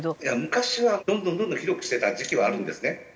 いや昔はどんどんどんどん広くしてた時期はあるんですね。